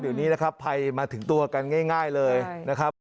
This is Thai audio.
เดี๋ยวนี้นะครับภัยมาถึงตัวกันง่ายเลยนะครับ